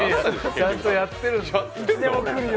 ちゃんとやってるんです。